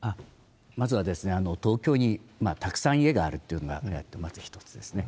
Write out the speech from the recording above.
まずは、東京にたくさん家があるっていうのがまず一つですね。